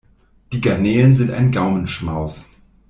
Die Garnelen sind ein Gaumenschmaus!